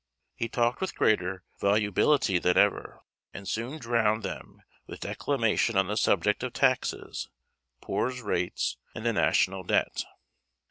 He talked with greater volubility than ever, and soon drowned them with declamation on the subject of taxes, poor's rates, and the national debt.